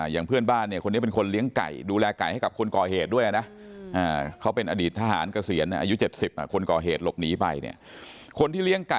อย่างเพื่อนบ้านคนนี้เป็นคนเลี้ยงไก่ดูแลไก่ให้กับคนก่อเหตุด้วยนะ